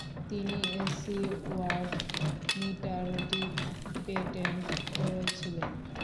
তিনি এসি ওয়াট-মিটারটি পেটেন্ট করেছিলেন।